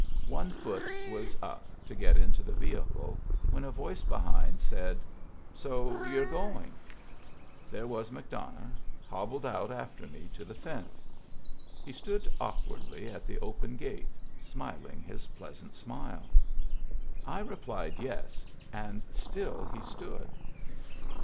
One foot was up to get into the vehicle when a voice behind said, " So you're going." There was McDonough, hobbled out after me to the fence. He stood awkwardly at the open gate, smiling his pleasant smile. I replied yes, and still he stood.